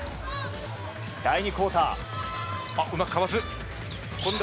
第２クオーター。